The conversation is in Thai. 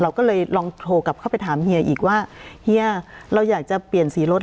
เราก็เลยลองโทรกลับเข้าไปถามเฮียอีกว่าเฮียเราอยากจะเปลี่ยนสีรถ